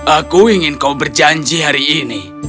aku ingin kau berjanji hari ini